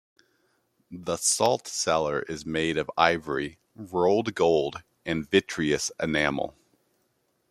The salt cellar is made of ivory, rolled gold, and vitreous enamel.